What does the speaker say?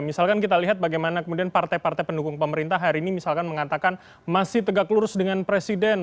misalkan kita lihat bagaimana kemudian partai partai pendukung pemerintah hari ini misalkan mengatakan masih tegak lurus dengan presiden